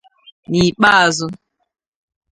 N'ikpe azụ